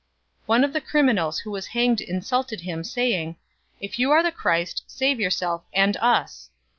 023:039 One of the criminals who was hanged insulted him, saying, "If you are the Christ, save yourself and us!"